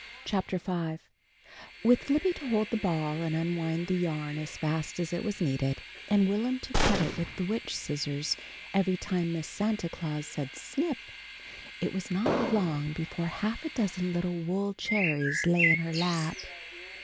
CHAPTER V WITH Libby to hold the ball and unwind the yarn as fast as it was needed, and Will'm to cut it with the witch scissors every time Miss Santa Claus said "snip!" it was not long before half a dozen little wool cherries lay in her lap.